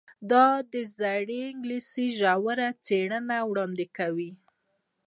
دا د زړې انګلیسي ژوره څیړنه وړاندې کوي.